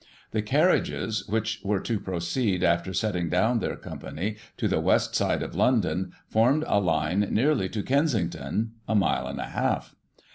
The carriages which were to proceed, after setting down their company, to the west side of London, formed a line nearly to Kensington (a mile and a half).